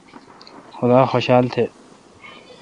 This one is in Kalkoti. خدا خوشال تہ۔